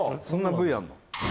そんなＶあんの？